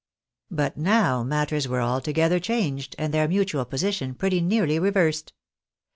But now matters were altogether changed, and their mutual position pretty nearly reversed.